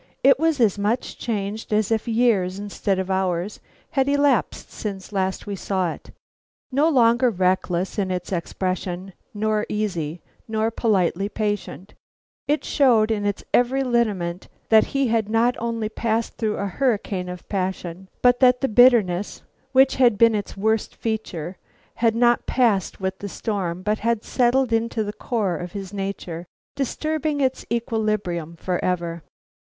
It was as much changed as if years, instead of hours, had elapsed since last we saw it. No longer reckless in its expression, nor easy, nor politely patient, it showed in its every lineament that he had not only passed through a hurricane of passion, but that the bitterness, which had been its worst feature, had not passed with the storm, but had settled into the core of his nature, disturbing its equilibrium forever.